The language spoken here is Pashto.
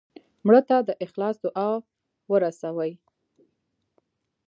مړه ته د اخلاص دعا ورسوې